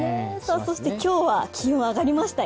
そして今日は気温、上がりましたよ。